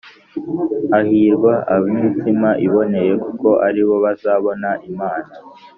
Hahirwa ab’imitima iboneye, Kuko ari bo bazabona Imana.